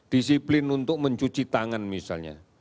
disiplin untuk mencuci tangan misalnya